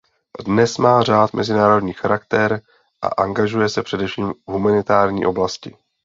Dnes má řád mezinárodní charakter a angažuje se především v humanitární oblasti.